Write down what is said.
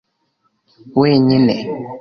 wenyine